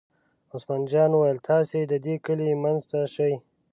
عثمان جان وویل: تاسې د دې کلي منځ ته شئ.